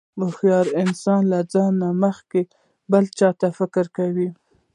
هوښیار انسان له ځان نه مخکې بل چاته فکر کوي.